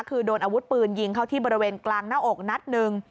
คือโดนอาวุธปืนยิงเข้าที่บริเวณกลางหน้าอกนัดหนึ่ง